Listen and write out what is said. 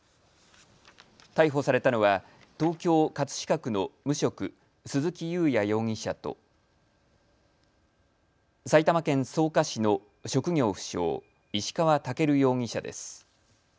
逮捕されたのは東京葛飾区の無職、鈴木雄也容疑者と埼玉県草加市の職業不詳、石川健容疑者です。